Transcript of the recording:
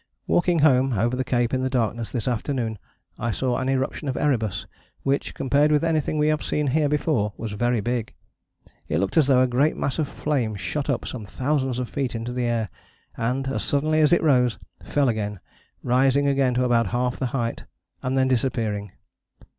"Walking home over the cape in the darkness this afternoon I saw an eruption of Erebus which, compared with anything we have seen here before, was very big. It looked as though a great mass of flame shot up some thousands of feet into the air, and, as suddenly as it rose, fell again, rising again to about half the height, and then disappearing.